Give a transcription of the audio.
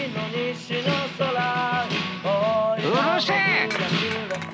うるせえ！